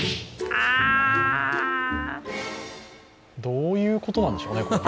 どういうことなんでしょうね、これ。